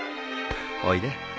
おいで